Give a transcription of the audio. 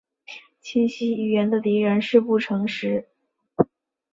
清晰语言的敌人是不诚实。